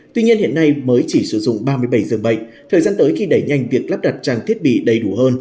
tuy nhiên hiện nay mới chỉ sử dụng ba mươi bảy dường bệnh thời gian tới khi đẩy nhanh việc lắp đặt trang thiết bị đầy đủ hơn